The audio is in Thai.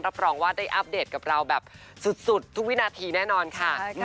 รับรองว่าได้อัปเดตกับเราแบบสุดทุกวินาทีแน่นอนค่ะ